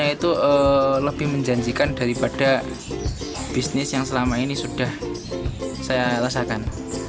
itu lebih menjanjikan daripada bisnis yang selama ini sudah saya rasakan